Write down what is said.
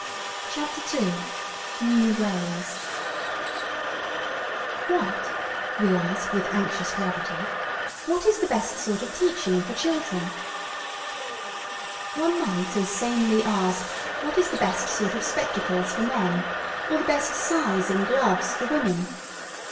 8]] CHAPTER II New Ways "WHAT," we ask with anxious gravity, "what is the best sort of teaching for children?" One might as sanely ask what is the best sort of spectacles for men, or the best size in gloves for women.